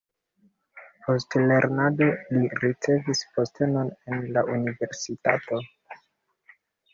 Post lernado li ricevis postenon en la universitato.